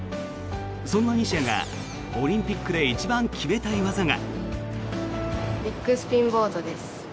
そんな西矢がオリンピックで一番決めたい技が。